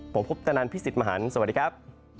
ผมพุทธนันพี่สิทธิ์มหันฯสวัสดีครับ